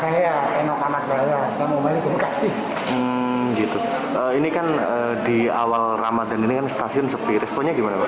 hmm gitu ini kan di awal ramadan ini kan stasiun seperti responnya gimana pak